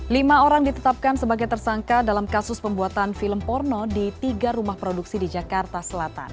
lima orang ditetapkan sebagai tersangka dalam kasus pembuatan film porno di tiga rumah produksi di jakarta selatan